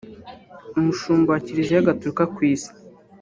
Umushumba wa Kiliziya Gatorika ku Isi